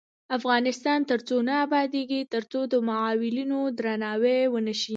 افغانستان تر هغو نه ابادیږي، ترڅو د معلولینو درناوی ونشي.